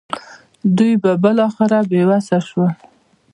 دوی به بالاخره بې وسه شول.